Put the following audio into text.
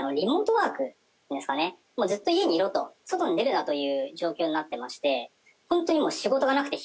ずっと家にいろと外に出るなという状況になってまして。